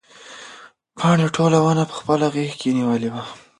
پاڼې ټوله ونه په خپله غېږ کې نیولې وه.